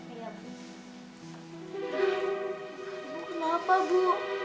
ibu kenapa bu